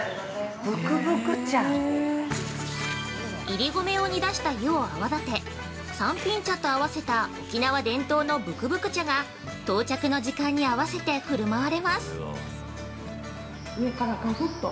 ◆炒り米を煮出した湯を泡立てさんぴん茶と合わせた沖縄伝統のぶくぶく茶が到着の時間に合わせて振る舞われます。